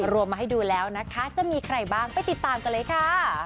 รวมมาให้ดูแล้วนะคะจะมีใครบ้างไปติดตามกันเลยค่ะ